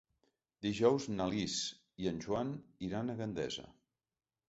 Dijous na Lis i en Joan iran a Gandesa.